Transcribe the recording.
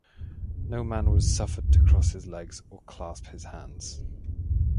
No man was suffered to cross his legs or clasp his hands.